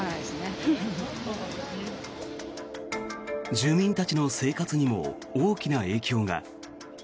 住民たちの生活にも大きな影響が。